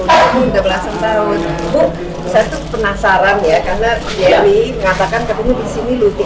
udah berapa lama buka wangnya